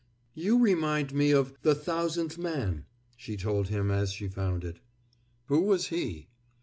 "You remind me of The Thousandth Man," she told him as she found it. "Who was he?"